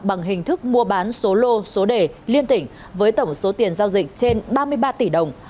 bằng hình thức mua bán số lô số đề liên tỉnh với tổng số tiền giao dịch trên ba mươi ba tỷ đồng